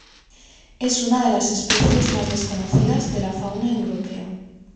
Es una de las especies más desconocidas de la fauna europea.